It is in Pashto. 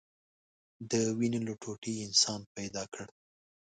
د وينې له ټوټې يې انسان پيدا كړ.